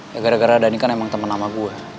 ya gara gara dhani kan emang temen nama gue